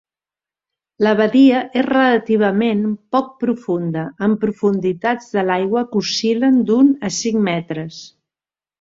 La badia és relativament poc profunda, amb profunditats de l'aigua que oscil·len d'un a cinc metres.